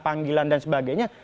panggilan dan sebagainya